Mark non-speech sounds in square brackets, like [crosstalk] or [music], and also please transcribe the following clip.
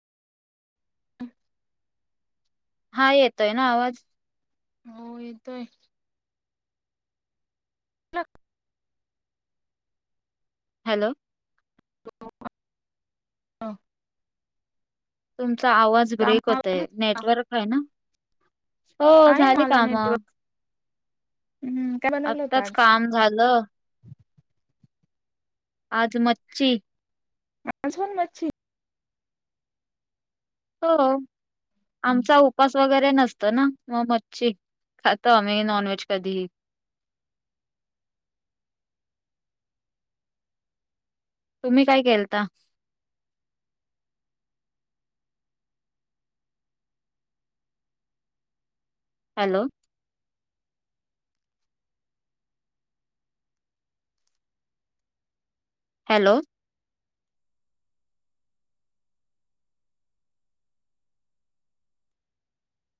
हम हा येतोय ना आवाज हो येतोय कुठं हॅलो हो हा चा आवाज ब्रेक होतय कामावरलीच का नेटवर्क आहे ना हो आहे ना झाली मला कामा नेटवर्क हम्म काय बनवलं होत आत्ताच आज काम झालं आज मच्छी अजून मच्छी हो आमचा उपास वगैरे नसत ना मग मच्छी खातो अमही नॉनवेज कधीही [inaudible] तुम्ही काय केलता हॅलो हॅलो